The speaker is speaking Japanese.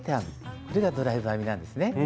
これがドライブ編みなんですね。